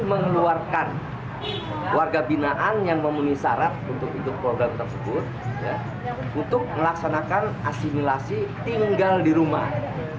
mengeluarkan warga binaan yang memenuhi syarat untuk ikut program tersebut untuk melaksanakan asimilasi tinggal di rumah